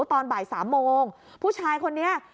ตอนบ่ายสามโมงผู้ชายคนนี้